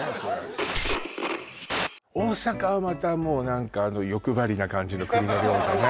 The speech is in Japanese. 大阪はまたもう何か欲張りな感じの栗の量だね